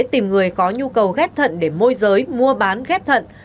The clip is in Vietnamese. tìm người có nhu cầu ghép thận để môi giới mua bán ghép thận